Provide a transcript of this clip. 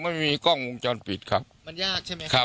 ไม่มีกล้องวงจรปิดครับมันยากใช่ไหมครับ